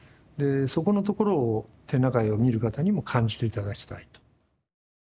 そこのところを展覧会を見る方にも感じて頂きたいと。